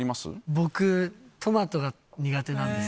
僕、トマトが苦手なんです。